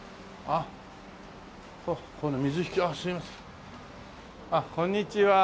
あっこんにちは。